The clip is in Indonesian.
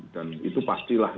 dan itu pastilah